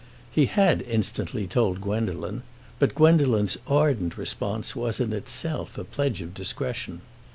He had instantly told Gwendolen, but Gwendolen's ardent response was in itself a pledge of discretion.